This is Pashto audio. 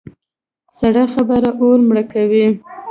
سړه خبره اور مړه کوي.